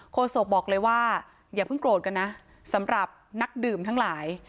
โศกบอกเลยว่าอย่าเพิ่งโกรธกันนะสำหรับนักดื่มทั้งหลาย